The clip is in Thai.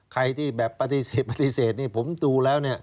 ใครที่แบบปฏิเสธนี่ผมดูแล้ว